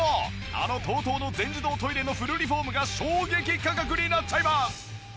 あのＴＯＴＯの全自動トイレのフルリフォームが衝撃価格になっちゃいます！